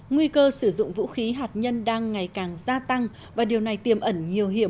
nguy cơ sử dụng vũ khí hạt nhân đang ngày càng gia tăng và điều này tiềm ẩn nhiều hiệu